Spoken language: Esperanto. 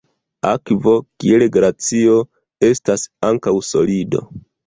Akvo, kiel glacio, estas ankaŭ solido.